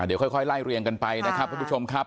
เดี๋ยวค่อยไล่เรียงกันไปนะครับทุกผู้ชมครับ